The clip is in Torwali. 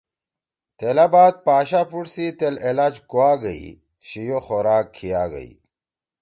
“ تیلا بعد پاشا پُوݜ سی تیل علاج کُوا گئی، شیِو خوراک کھیِاگئی۔